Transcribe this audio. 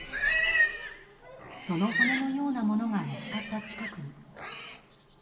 その骨のようなものが見つかった近くに。